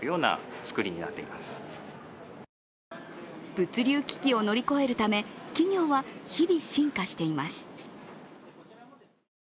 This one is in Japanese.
物流危機を乗り越えるため企業は日々進化しています。